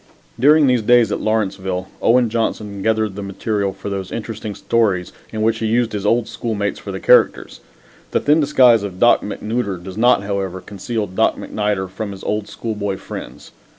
During these days at Lawrenceville Owen Johnson gathered the material for those interesting stories in which he used his old schoolmates for the characters. The thin disguise of Doc Macnooder does not, however, conceal Doc MacNider from his old schoolboy friends.